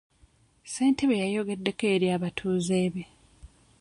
Ssentebe yayogeddeko eri abatuuze be.